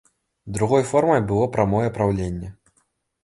Другой формай было прамое праўленне.